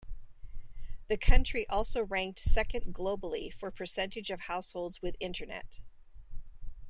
The country also ranked second globally for percentage of households with internet.